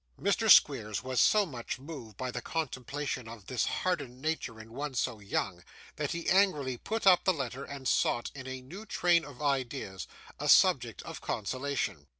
Mr. Squeers was so much moved by the contemplation of this hardened nature in one so young, that he angrily put up the letter, and sought, in a new train of ideas, a subject of consolation.